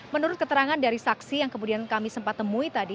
menurut keterangan dari saksi yang kemudian kami sempat temui tadi